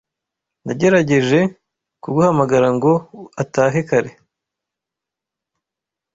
Nagerageje kuguhamagara ngo atahe kare